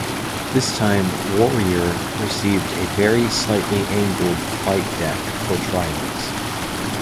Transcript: This time "Warrior" received a very slightly angled flight deck for trials.